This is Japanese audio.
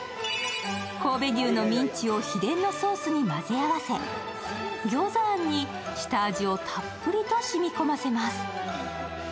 神戸牛のミンチを秘伝のソースに混ぜ合わせギョーザあんに下味をたっぷりと染み込ませます。